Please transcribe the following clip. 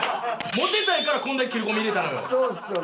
モテたいからこれだけ切り込み入れたのよ。